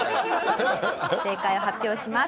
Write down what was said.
正解を発表します。